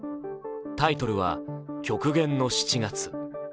タイトルは「極限の７月」。